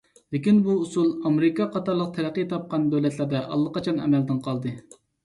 لېكىن، بۇ ئۇسۇل ئامېرىكا قاتارلىق تەرەققىي تاپقان دۆلەتلەردە ئاللىقاچان ئەمەلدىن قالدى.